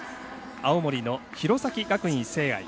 青森の弘前学院聖愛。